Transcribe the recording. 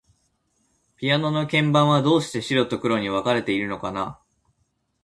ピアノの鍵盤は、どうして白と黒に分かれているのかな。